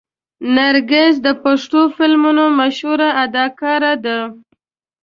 نرګس د پښتو فلمونو مشهوره اداکاره ده.